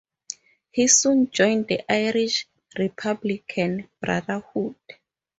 He soon joined the Irish Republican Brotherhood.